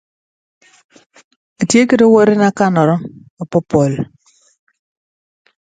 You've got to have some friends somewhere.